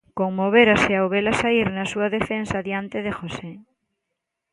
Conmovérase ao vela saír na súa defensa diante de José.